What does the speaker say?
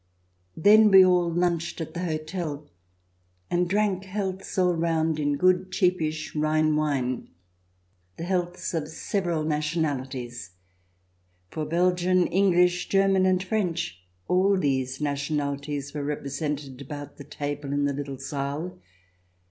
Then we all lunched at the hotel and drank healths all round in good, cheapish Rhine wine. The healths of several nationalities, for Belgian, English, German, and French — all these nationalities were CH. xxii] ENVOI 327 represented round the table in the little saal.